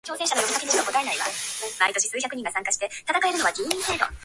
Mouscron is a municipality with language facilities for Dutch-speakers.